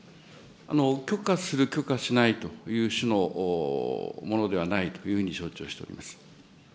許可する許可しないという種のものではないというふうに承知